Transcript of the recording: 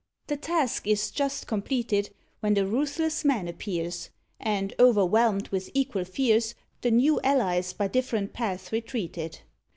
The task is just completed, When the ruthless man appears, And, overwhelmed with equal fears, The new allies by different paths retreated.